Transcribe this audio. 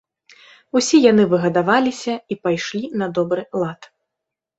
Усе яны выгадаваліся і пайшлі на добры лад.